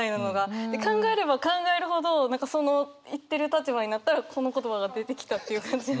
考えれば考えるほどその言ってる立場になったらこの言葉が出てきたっていう感じが。